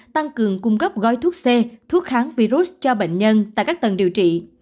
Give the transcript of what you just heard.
tăng cường cung cấp gói thuốc c thuốc kháng virus cho bệnh nhân tại các tầng điều trị